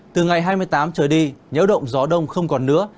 từ ngày hai mươi tám trời đi nhớ động gió đông không còn nữa